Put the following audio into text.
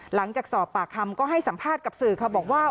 หลังจากสอบปากคำก็ให้สัมภาษณ์กับสื่อค่ะบอกว่า